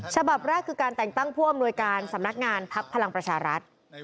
ฉบับแรกคือการแต่งตั้งผู้อำนวยการสำนักงานพักพลังประชารัฐ